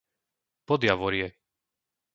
Podjavorie